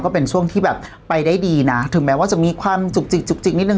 ก็เป็นช่วงที่แบบไปได้ดีนะถึงแม้ว่าจะมีความจุกจิกจุกจิกนิดนึ